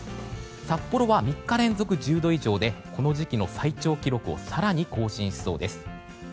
札幌は３日連続１０度以上でこの時期の最長記録を更に更新しそうです。